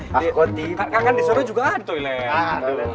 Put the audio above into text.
kan disana juga toilet